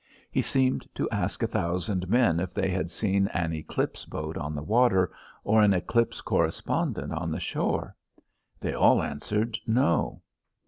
He seemed to ask a thousand men if they had seen an Eclipse boat on the water, or an Eclipse correspondent on the shore. They all answered, "No."